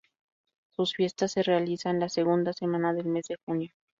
Sus fiestas se realizan la segunda semana del mes de junio.